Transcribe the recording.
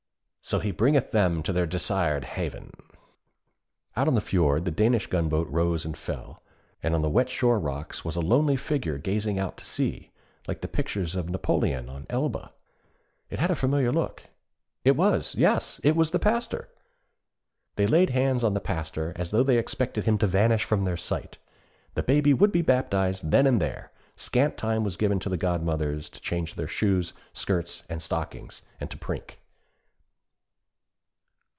'So he bringeth them to their desired haven.' Out on the fjord the Danish gun boat rose and fell, and on the wet shore rocks was a lonely figure gazing out to sea, like the pictures of Napoleon on Elba. It had a familiar look it was yes, it was the Pastor! They laid hands on the Pastor, as though they expected him to vanish from their sight. The Baby would be baptized then and there. Scant time was given to the godmothers to change their shoes, skirts, and stockings, and to prink.